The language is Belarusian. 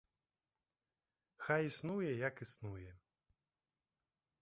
Хай існуе, як існуе.